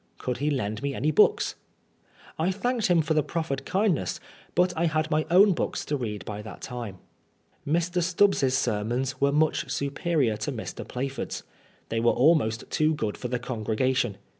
Could he lend me any books ? I thanked him for the proffered kindness, but I had my own books to read by that time. Mr. Stubbs's sermons were much superior to Mr. Plaf ord's. They were almost too good for the congregation.